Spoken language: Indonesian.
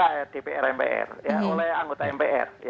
ya oleh anggota mpr